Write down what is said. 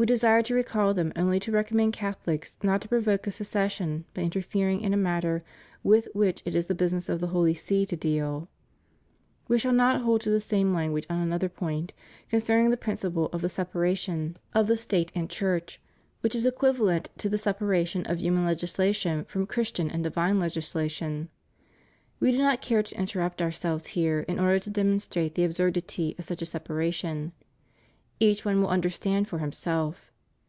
We desired to recall them only to recommend CathoHcs not to provoke a secession by interfering in a matter with which it is the business of the Holy See to deal. We shall not hold to the same language on another point, concerning the principle of the separation of the 262 ALLEGIANCE TO THE REPUBLIC. State and Church, which is equivalent to the separation of human legislation from Christian and divine legislation. We do not care to interrupt Ourselves here in order to demonstrate the absurdity of such a separation; each one will understand for himself.